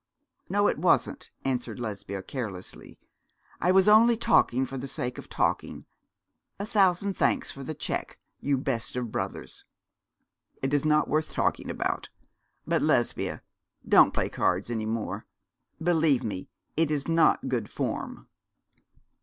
'No, it wasn't,' answered Lesbia, carelessly; 'I was only talking for the sake of talking. A thousand thanks for the cheque, you best of brothers.' 'It is not worth talking about; but, Lesbia, don't play cards any more. Believe me, it is not good form.'